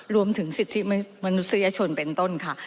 รวมถึงสิทธิมนุษยชนเป็นต้นค่ะ